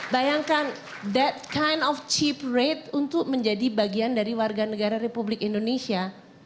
bayangkan that kind of chip rate untuk menjadi bagian dari warga negara republik indonesia